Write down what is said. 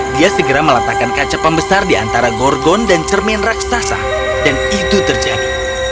dia segera meletakkan kaca pembesar di antara gorgon dan cermin raksasa dan itu terjadi